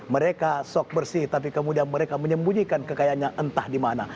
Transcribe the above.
mereka sok bersih tapi kemudian mereka menyembunyikan kekayaannya entah di mana